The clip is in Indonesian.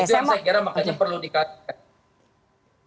itu yang saya kira makanya perlu dikatakan